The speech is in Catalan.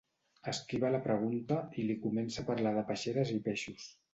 Esquiva la pregunta i li comença a parlar de peixeres i peixos.